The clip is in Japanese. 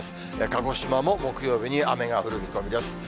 鹿児島も木曜日に雨が降る見込みです。